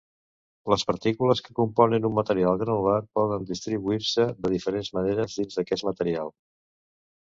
Les partícules que componen un material granular poden distribuir-se de diferents maneres dins d'aquest material.